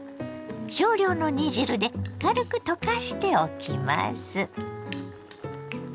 少量の煮汁で軽く溶かしておきます。